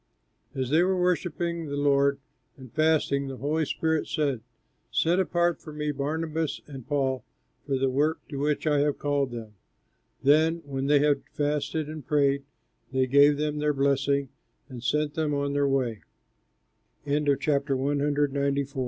As they were worshipping the Lord and fasting, the Holy Spirit said, "Set apart for me Barnabas and Paul for the work to which I have called them." Then when they had fasted and prayed, they gave them their blessing and sent them on their way. PAUL AND BARNABAS IN FOREIGN LANDS Paul and B